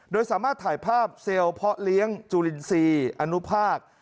โดยสามารถถ่ายภาพเซลล์เพาะเลี้ยงจุลินทรีย์อนุภาค